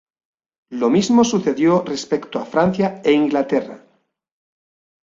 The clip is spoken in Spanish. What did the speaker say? Lo mismo sucedió respecto a Francia e Inglaterra.